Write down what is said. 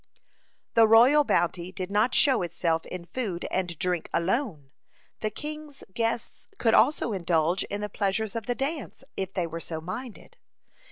(23) The royal bounty did not show itself in food and drink alone. The king's guests could also indulge in the pleasures of the dance if they were so minded.